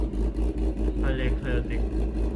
ทะเลเคลติก